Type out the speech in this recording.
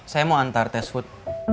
saya mau antar test food